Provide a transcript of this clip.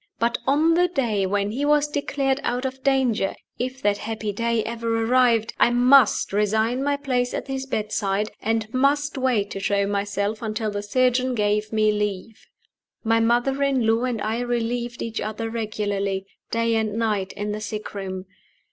But on the day when he was declared out of danger if that happy day ever arrived I must resign my place at his bedside, and must wait to show myself until the surgeon gave me leave. My mother in law and I relieved each other regularly, day and night, in the sick room.